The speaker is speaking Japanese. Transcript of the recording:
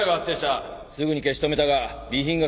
すぐに消し止めたが備品が損壊した。